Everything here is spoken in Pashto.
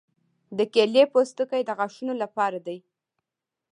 د کیلې پوستکي د غاښونو لپاره دي.